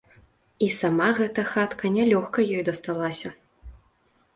І сама гэта хатка нялёгка ёй дасталася.